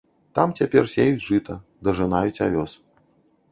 Там цяпер сеюць жыта, дажынаюць авёс.